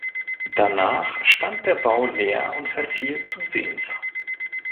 Danach stand der Bau leer und verfiel zusehends.